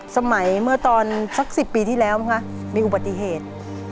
เมื่อตอนสัก๑๐ปีที่แล้วมั้งคะมีอุบัติเหตุ